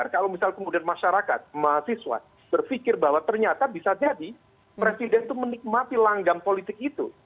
kalau misal kemudian masyarakat mahasiswa berpikir bahwa ternyata bisa jadi presiden itu menikmati langgam politik itu